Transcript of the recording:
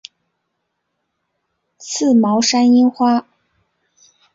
刺毛山樱花